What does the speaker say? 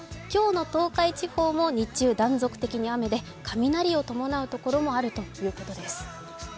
今日の東海地方も日中断続的に雨で雷を伴うところもあるということです。